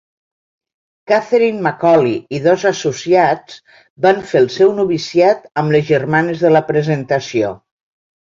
Catherine McAuley i dos associats van fer el seu noviciat amb les Germanes de la Presentació.